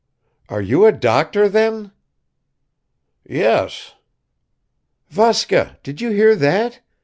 "Are you a doctor, then?" "Yes." "Vaska, did you hear that?